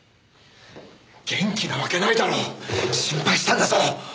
元気なわけないだろう！心配したんだぞ！